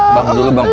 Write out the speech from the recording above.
bang dulu bang